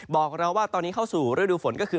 บอกเราว่าตอนนี้เข้าสู่ฤดูฝนก็คือ